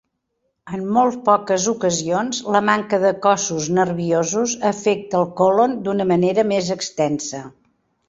En molt poques ocasions, la manca de cossos nerviosos afecta el còlon d'una manera més extensa.